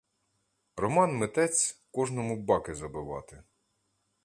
Роман митець кожному баки забивати!